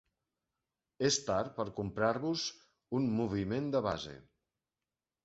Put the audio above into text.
És tard per comprar-vos un moviment de base.